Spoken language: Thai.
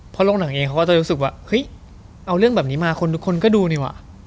เพราะลงหนังเองเขาก็จะรู้สึกว่าเฮ้ยเอาเรื่องแบบนี้มาคนทุกคนก็ดูนี่ว่ะ